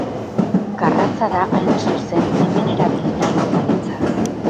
Garratza da hain zuzen hemen erabili nahi dudan hitza.